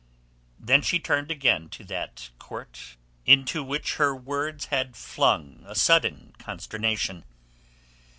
Then she turned again to that court, into which her words had flung a sudden consternation.